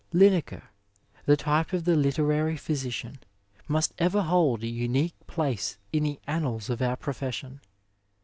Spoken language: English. Linacre, the type of the literary physician, must ever hold a unique place in the annals of our profession.